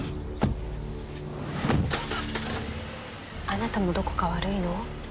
あなたもどこか悪いの？